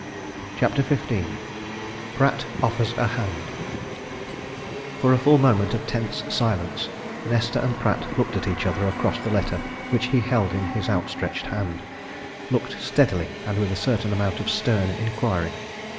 CHAPTER XV PRATT OFFERS A HAND For a full moment of tense silence Nesta and Pratt looked at each other across the letter which he held in his outstretched hand looked steadily and with a certain amount of stern inquiry.